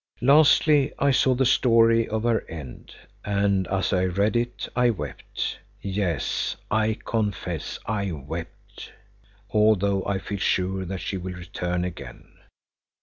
Lastly I saw the story of her end, and as I read it I wept, yes, I confess I wept, although I feel sure that she will return again.